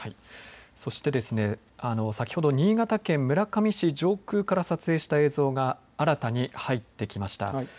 そして先ほど新潟県村上市上空から撮影した映像が新たに入ってきました。